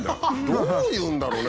どういうんだろうね？